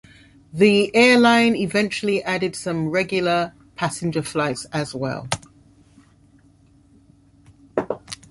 The airline eventually added some regular passenger flights as well.